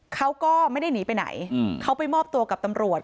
เขาก็ไม่ได้หนีไปไหนเขาไปมอบตัวกับตำรวจ